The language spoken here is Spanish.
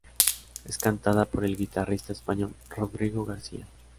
Es cantada por el guitarrista español Rodrigo García.